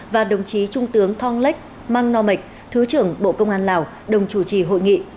và đồng chí trung tướng thong lách mang nok thứ trưởng bộ công an lào đồng chủ trì hội nghị